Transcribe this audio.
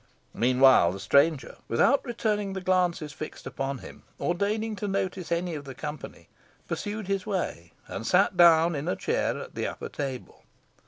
Meanwhile, the stranger, without returning the glances fixed upon him, or deigning to notice any of the company, pursued his way, and sat down in a chair at the upper table.